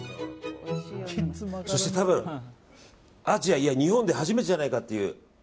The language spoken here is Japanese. そして多分、アジアいや日本で初めてじゃないかという。